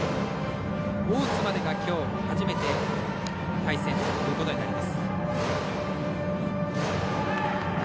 大津までがきょう初めて対戦ということになります。